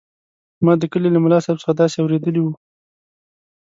ما د کلي له ملاصاحب څخه داسې اورېدلي وو.